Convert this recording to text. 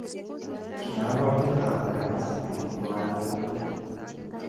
kiakol ketitab peach eng kiwanjee nyuu